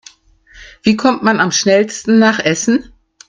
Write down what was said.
Wie kommt man am schnellsten nach Essen?